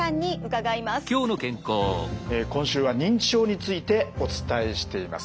今週は認知症についてお伝えしています。